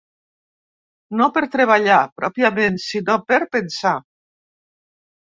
No per treballar, pròpiament, sinó per pensar.